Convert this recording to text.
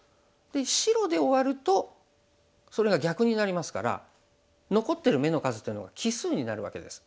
白で終わるとそれが逆になりますから残ってる目の数っていうのは奇数になるわけです。